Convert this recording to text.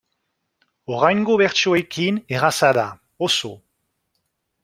Oraingo bertsioekin erraza da, oso.